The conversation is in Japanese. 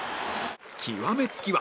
極め付きは